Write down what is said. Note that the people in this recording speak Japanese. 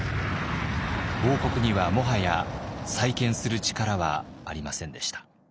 王国にはもはや再建する力はありませんでした。